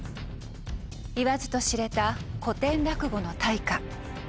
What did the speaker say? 言わずと知れた古典落語の大家。